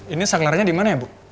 ini sanglarnya di mana ya bu